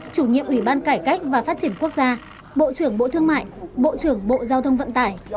chủ nhiệm ủy ban cải cách và phát triển quốc gia bộ trưởng bộ thương mại bộ trưởng bộ giao thông vận tải